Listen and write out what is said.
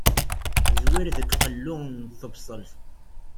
Zwir deg qellu n tebṣelt.